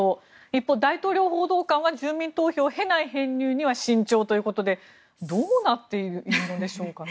一方、大統領報道官は住民投票を経ない編入には慎重ということでどうなっているのでしょうか。